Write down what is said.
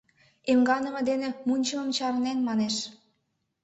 — Эмганыме дене мунчымым чарнен, манеш.